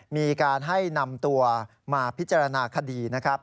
มีการให้นำตัวมาพิจารณาคดีนะครับ